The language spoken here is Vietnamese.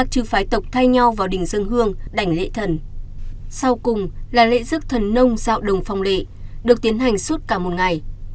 sau cùng là lễ dước thần nông dạo đồng phong lệ được tiến hành suốt cả một ngày